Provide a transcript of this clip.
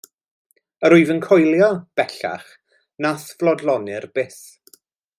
Yr wyf yn coelio, bellach, na'th foddlonir byth.